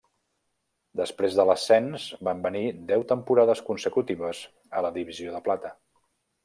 Després de l'ascens van venir deu temporades consecutives a la divisió de plata.